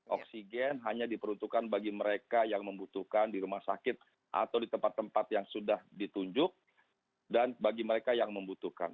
oksigen hanya diperuntukkan bagi mereka yang membutuhkan di rumah sakit atau di tempat tempat yang sudah ditunjuk dan bagi mereka yang membutuhkan